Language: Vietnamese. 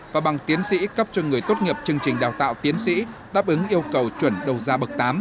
và bằng tiến sĩ cấp cho người tốt nghiệp chương trình đào tạo tiến sĩ đáp ứng yêu cầu chuẩn đầu gia bậc tám